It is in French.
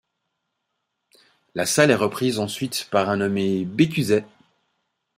La salle est reprise ensuite par un nommé Bécuzet.